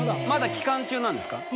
まだ期間中なんですか？